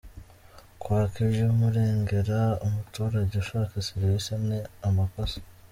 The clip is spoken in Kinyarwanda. Kwaka iby’umurengera umuturage ushaka serivisi ni amakosa